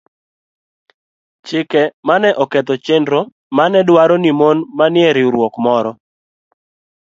chike ma ne oketho chenro ma ne dwaro ni mon manie riwruok moro